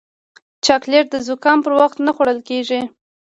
چاکلېټ د زکام پر وخت نه خوړل کېږي.